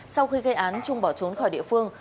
sau khi gây án trung bỏ trốn khỏi địa phương